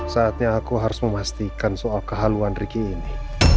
saatnya aku harus memastikan soal kehaluan riki ini